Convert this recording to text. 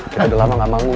kita udah lama gak bangun